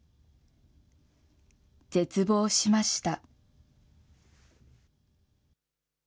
絶望しました。